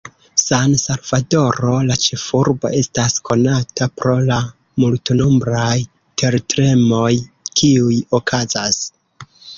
San-Salvadoro, la ĉefurbo, estas konata pro la multnombraj tertremoj kiuj okazas.